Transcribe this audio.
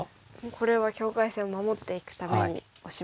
これは境界線を守っていくためにオシます。